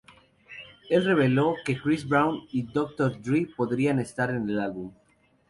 Él reveló que Chris Brown y Dr. Dre podrían estar en el álbum.